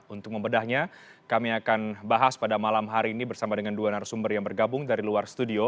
untuk membedahnya kami akan bahas pada malam hari ini bersama dengan dua narasumber yang bergabung dari luar studio